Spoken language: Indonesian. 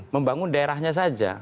membangun daerahnya saja